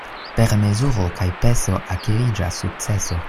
Per mezuro kaj peso akiriĝas sukceso.